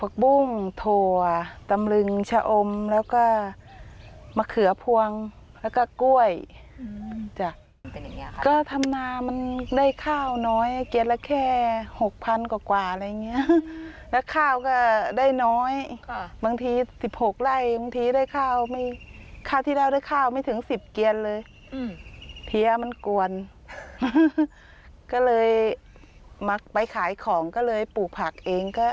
ก็เลยมักไปขายของก็เลยปลูกผักเอง